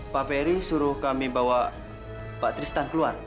pak ferry suruh kami bawa pak tristan keluar